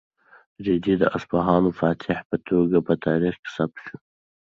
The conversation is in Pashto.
رېدي د اصفهان فاتح په توګه په تاریخ کې ثبت شو.